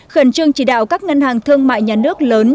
khẩn trương chỉ đạo các ngân hàng thương mại nhà nước lớn